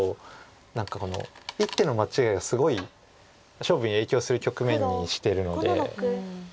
何か１手の間違いがすごい勝負に影響する局面にしてるので。